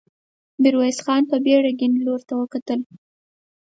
ميرويس خان په بېړه کيڼ لور ته وکتل.